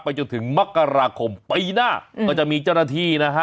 จนถึงมกราคมปีหน้าก็จะมีเจ้าหน้าที่นะฮะ